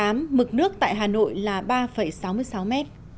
mực nước tại hà nội là ba sáu mươi sáu mét